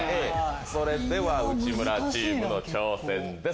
それでは内村チームの挑戦です。